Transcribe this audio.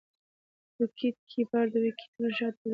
وکيټ کیپر د وکيټو شاته درېږي.